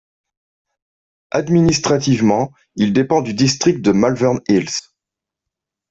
Administrativement, il dépend du district de Malvern Hills.